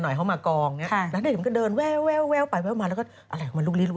อยากไปถ่ายรูปแล้วเขินไม่กล้ากลัวรบกู้